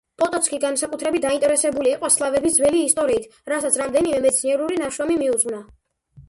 პოტოცკი განსაკუთრებით დაინტერესებული იყო სლავების ძველი ისტორიით, რასაც რამდენიმე მეცნიერული ნაშრომი მიუძღვნა.